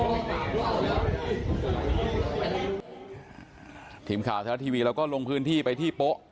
ทีมข่าวชาวแคลลอท์ทีวีเราก็ลงพื้นที่ไปที่โเป๊ะ